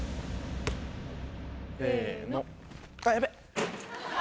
せの。